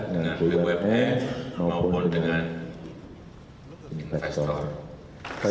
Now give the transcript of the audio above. dengan bumn nya maupun dengan investor